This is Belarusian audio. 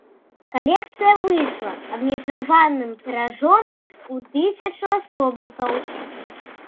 Калекцыя выйшла абмежаваным тыражом у тысячу асобнікаў.